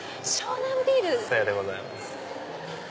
さようでございます。